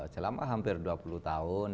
selama hampir dua puluh tahun